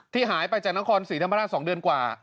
หายไปจากนครศรีธรรมราช๒เดือนกว่า